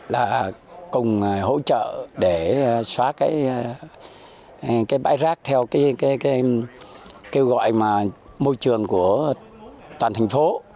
là cùng hỗ trợ để xóa cái bãi rác theo cái kêu gọi mà môi trường của toàn thành phố